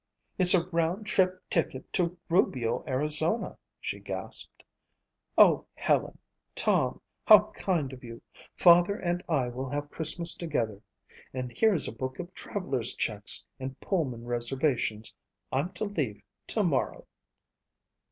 "It's a round trip ticket to Rubio, Arizona!" she gasped, "Oh, Helen! Tom! How kind of you. Father and I will have Christmas together! And here's a book of traveler's checks and Pullman reservations. I'm to leave tomorrow."